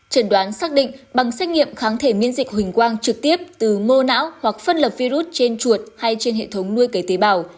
trần đoán xác định bằng xét nghiệm kháng thể miễn dịch huỳnh quang trực tiếp từ mô não hoặc phân lập virus trên chuột hay trên hệ thống nuôi cấy tế bào